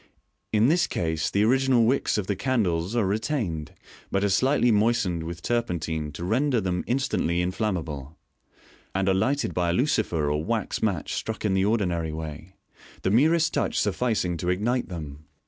In this case the original wicks of the candles are retained, but are slightly moistened with turpentine to render them instantly inflammable, and are lighted by a lucifer or wax match struck in the ordinary way, the merest touch sufficing to ignite them.